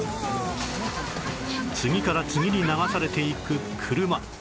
次から次に流されていく車